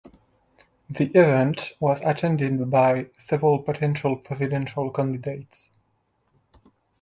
The event was attended by several potential presidential candidates.